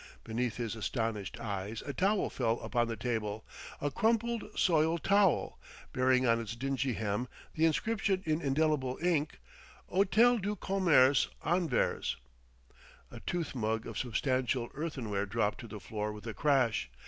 Beneath his astonished eyes a towel fell upon the table a crumpled, soiled towel, bearing on its dingy hem the inscription in indelible ink: "Hôtel du Commerce, Anvers." A tooth mug of substantial earthenware dropped to the floor with a crash.